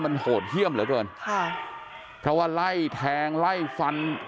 มันโหดเยี่ยมเหลือเกินค่ะเพราะว่าไล่แทงไล่ฟัน